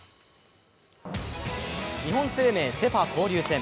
日本生命セ・パ交流戦。